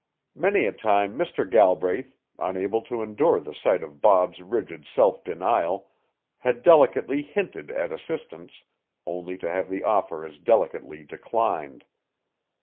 Many a time Mr. Galbraith, unable to endure the sight of Bob's rigid self denial, had delicately hinted at assistance, only to have the offer as delicately declined.